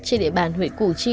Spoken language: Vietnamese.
trên địa bàn huyện cụ chi